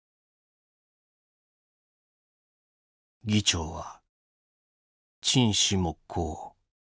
「議長は沈思黙考。